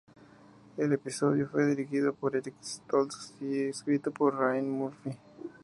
El episodio fue dirigido por Eric Stoltz y escrito por Ryan Murphy.